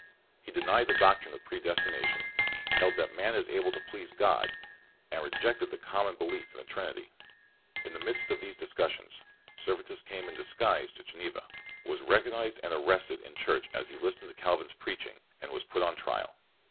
He denied the doctrine of predestination, held that man is able to please God, and rejected the common be lief in the Trinitv. CALVIN 117 In the midst of these discussions, Ser vetus came in disguise to Geneva, was recognized and arrested in church as he listened to Calvin's preaching, and was put on trial.